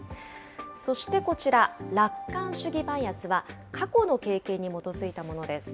そしてこちら、楽観主義バイアスは、過去の経験に基づいたものです。